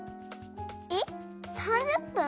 えっ３０分！？